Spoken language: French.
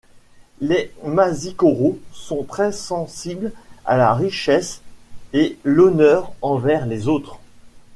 Les Masikoros sont très sensibles à la richesse et l'honneur envers les autres.